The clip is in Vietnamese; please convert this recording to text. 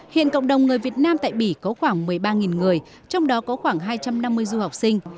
hiện cộng đồng người việt nam tại bỉ có khoảng một mươi ba người trong đó có khoảng hai trăm năm mươi du học sinh